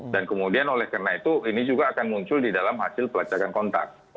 dan kemudian oleh karena itu ini juga akan muncul di dalam hasil pelacakan kontak